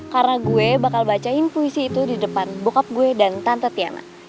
karena gue bakal bacain puisi itu di depan bokap gue dan tante tiana